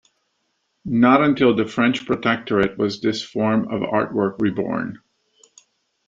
Not until the French protectorate was this form of artwork reborn.